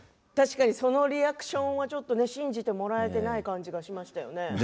確かにそのリアクションはちょっと信じてもらえてない感じがしましたよね。